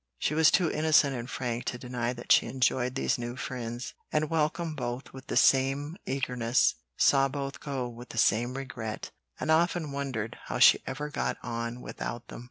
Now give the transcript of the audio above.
She was too innocent and frank to deny that she enjoyed these new friends, and welcomed both with the same eagerness, saw both go with the same regret, and often wondered how she ever had got on without them.